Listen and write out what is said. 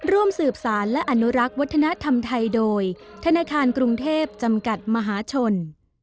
ร่วมสืบสารและอนุรักษ์วัฒนธรรมไทยโดยธนาคารกรุงเทพจำกัดมหาชน